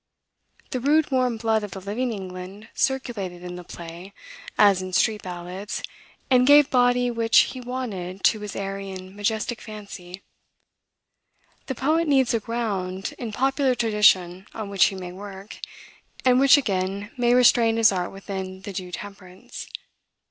The rude warm blood of the living England circulated in the play, as in street ballads, and gave body which he wanted to his airy and majestic fancy. The poet needs a ground in popular tradition on which he may work, and which, again, may restrain his art within the due temperance.